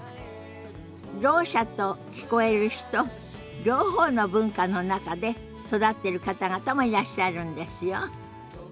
ろう者と聞こえる人両方の文化の中で育ってる方々もいらっしゃるんですよ。